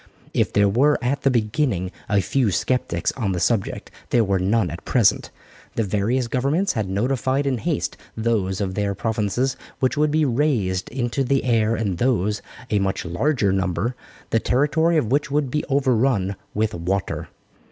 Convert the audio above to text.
If there were at the beginning a few sceptics on the subject, there were none at present. The various governments had notified in haste those of their provinces which would be raised into the air and those, a much larger number, the territory of which would be overrun with water.